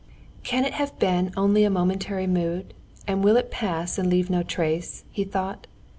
"Can it have been only a momentary mood, and will it pass and leave no trace?" he thought.